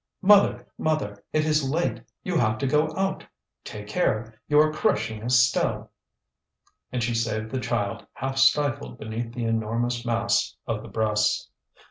"Mother, mother, it is late! you have to go out. Take care, you are crushing Estelle." And she saved the child, half stifled beneath the enormous mass of the breasts.